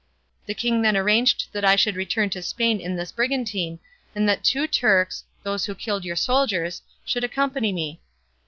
The king then arranged that I should return to Spain in this brigantine, and that two Turks, those who killed your soldiers, should accompany me.